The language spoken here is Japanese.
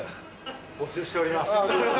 募集しております。